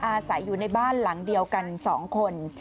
อาศัยอยู่ในบ้านหลังเดียวกัน๒คน